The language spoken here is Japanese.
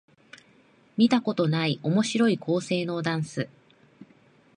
見たことない面白い構成のダンス